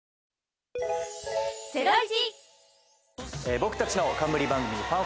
僕たちの冠番組『ＦＵＮ！